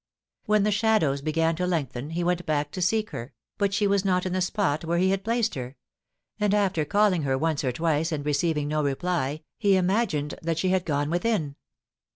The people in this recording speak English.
When the shadows began to lengthen he went back to seek her, but she was not in the spot where he had placed her ; and after calling her once or twice and receiving no reply, he imagined that she had gone within.